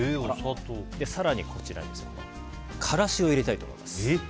更に、こちらに辛子を入れたいと思います。